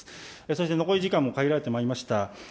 そして残り時間も限られてまいりました。